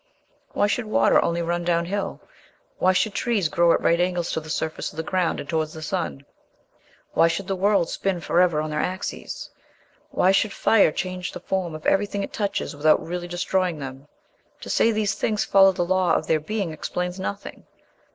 Why should water only run downhill? Why should trees grow at right angles to the surface of the ground and towards the sun? Why should the worlds spin for ever on their axes? Why should fire change the form of everything it touches without really destroying them? To say these things follow the law of their being explains nothing.